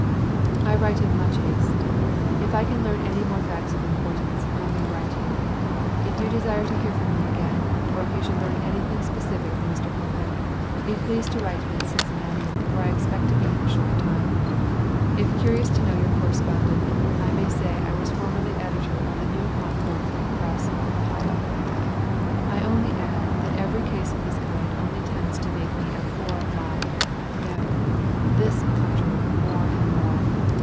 I write in much haste. If I can learn any more facts of importance, I may write you. If you desire to hear from me again, or if you should learn any thing specific from Mr. Concklin, be pleased to write me at Cincinnati, where I expect to be in a short time. If curious to know your correspondent, I may say I was formerly Editor of the "New Concord Free Press," Ohio. I only add that every case of this kind only tends to make me abhor my (no!) this country more and more.